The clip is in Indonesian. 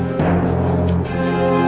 ndra kamu udah nangis